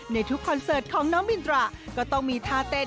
ทุกคอนเสิร์ตของน้องมินตราก็ต้องมีท่าเต้น